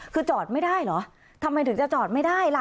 คือจอดไม่ได้เหรอทำไมถึงจะจอดไม่ได้ล่ะ